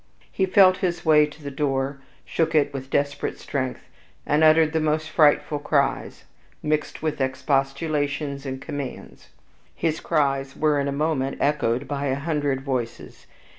He felt his way to the door, shook it with desperate strength, and uttered the most frightful cries, mixed with expostulations and commands. His cries were in a moment echoed by a hundred voices.